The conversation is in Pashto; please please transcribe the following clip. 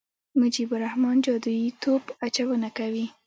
مجيب الرحمن جادويي توپ اچونه کوي.